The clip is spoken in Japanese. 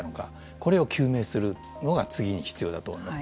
これを究明するのが次に必要だと思います。